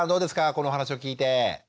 この話を聞いて。